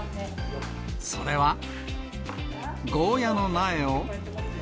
それは、ゴーヤの苗を。